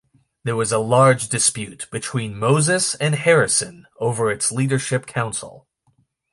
There was a large dispute between Moses and Harrison over its leadership council.